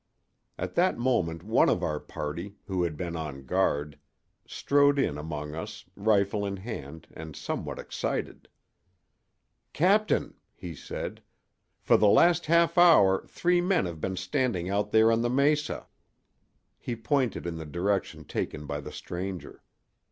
At that moment one of our party, who had been on guard, strode in among us, rifle in hand and somewhat excited. "Captain," he said, "for the last half hour three men have been standing out there on the mesa." He pointed in the direction taken by the stranger.